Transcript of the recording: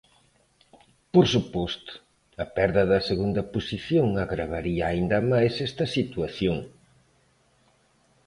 Por suposto, a perda da segunda posición agravaría aínda máis esta situación.